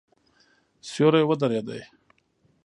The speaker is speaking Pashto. سیوری ودرېد.